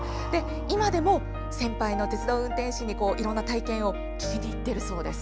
今でも、先輩の鉄道運転士にいろんな体験を聞きに行っているそうです。